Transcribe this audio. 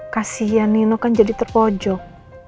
kasian nino kan jadi terpojok